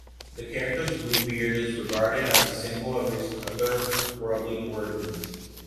The character's blue beard is regarded as a symbol of his otherworldly origins.